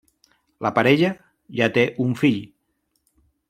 La parella ja té un fill.